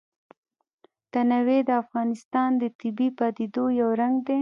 تنوع د افغانستان د طبیعي پدیدو یو رنګ دی.